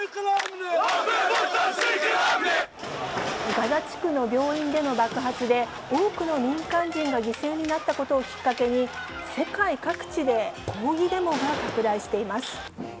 ガザ地区の病院での爆発で、多くの民間人が犠牲になったことをきっかけに、世界各地で抗議デモが拡大しています。